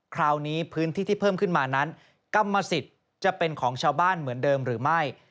คราวนี้พื้นที่ที่เพิ่มขึ้นมานั้นกรรมสิทธิ์จะเป็นของชาวบ้านเหมือนเดิมหรือไม่